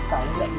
cháu có sợ